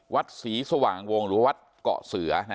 วัดศรีสว่างวงหรือวัดเกาะเสือ